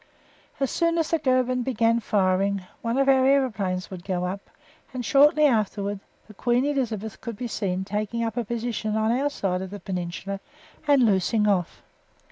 As soon as the Goeben began firing, one of our aeroplanes would go up, and shortly afterwards the Queen Elizabeth could be seen taking up a position on our side of the Peninsula, and loosing off.